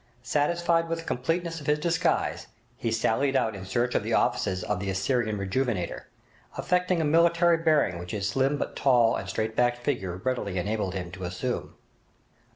Satisfied with the completeness of his disguise, he sallied out in search of the offices of the 'Assyrian Rejuvenator', affecting a military bearing which his slim but tall and straight backed figure readily enabled him to assume.